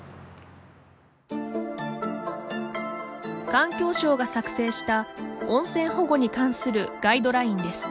環境省が作成した温泉保護に関するガイドラインです。